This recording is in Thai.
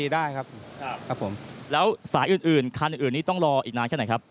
ได้ครับแล้วสายอื่นคันนี้ต้องรออีกนานแค่ไหนครับ